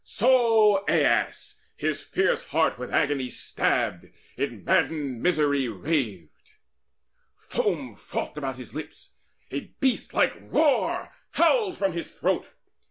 So Aias, his fierce heart With agony stabbed, in maddened misery raved. Foam frothed about his lips; a beast like roar Howled from his throat.